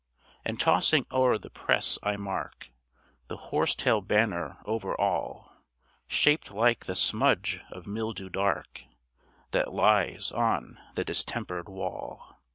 And tossing o'er the press I mark The horse tail banner over all, Shaped like the smudge of mildew dark That lies on the distempered wall.